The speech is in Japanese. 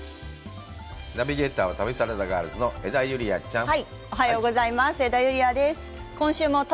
ナビゲーターは旅サラダガールズの江田友莉亜ちゃん。